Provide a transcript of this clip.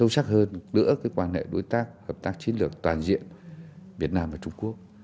sâu sắc hơn nữa cái quan hệ đối tác hợp tác chiến lược toàn diện việt nam và trung quốc